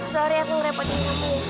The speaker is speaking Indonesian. sorry aku ngerepotin kamu